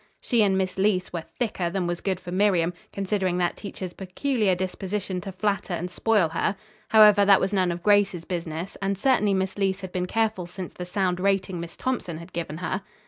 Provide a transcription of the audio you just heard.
She and Miss Leece were "thicker" than was good for Miriam, considering that teacher's peculiar disposition to flatter and spoil her. However, that was none of Grace's business, and certainly Miss Leece had been careful since the sound rating Miss Thompson had given her.